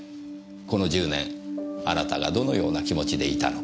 この１０年あなたがどのような気持ちでいたのか。